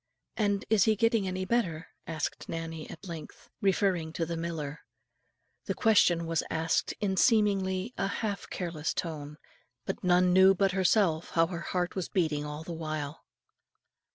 "And is he getting any better?" asked Nannie at length, referring to the miller. The question was asked in seemingly a half careless tone, but none knew but herself, how her heart was beating all the while.